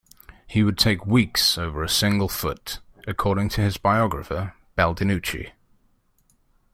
"He would take weeks over a single foot", according to his biographer Baldinucci.